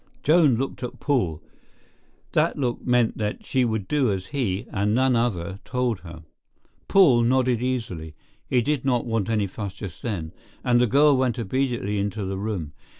Joan looked at Paul. That look meant that she would do as he, and none other, told her. Paul nodded easily—he did not want any fuss just then—and the girl went obediently into the room.